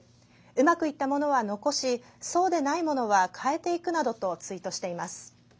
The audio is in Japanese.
うまくいったものは残しそうでないものは変えていくなどとツイートしています。